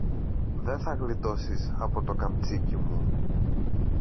δε θα γλιτώσεις από το καμτσίκι μου.